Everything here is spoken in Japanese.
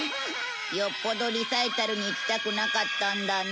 よっぽどリサイタルに行きたくなかったんだな。